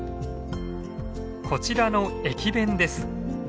こちらの駅弁です。